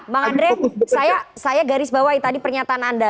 bang andre saya garis bawahi tadi pernyataan anda